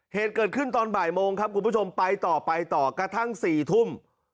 เหตุเกิดขึ้นตอนบ่ายโมงครับคุณผู้ชมไปต่อไปต่อกระทั่ง๔ทุ่ม